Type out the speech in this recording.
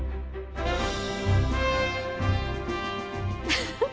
フフフ。